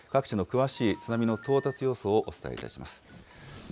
各地の詳しい津波の到達予想をお伝えいたします。